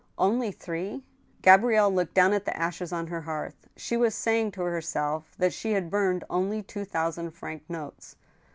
"Only three?" Gabrielle looked down at the ashes on her hearth. She was saying to herself that she had burned only two thousand franc notes.